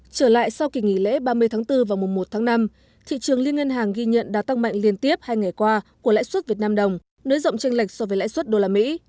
trở lại sau kỳ nghỉ lễ ba mươi tháng bốn và mùa một tháng năm thị trường liên ngân hàng ghi nhận đã tăng mạnh liên tiếp hai ngày qua của lãi suất việt nam đồng nới rộng tranh lệch so với lãi suất đô la mỹ